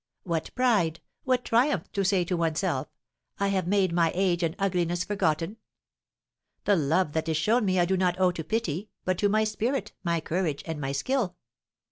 What pride, what triumph to say to oneself, I have made my age and ugliness forgotten! The love that is shown me I do not owe to pity, but to my spirit, my courage, and my skill.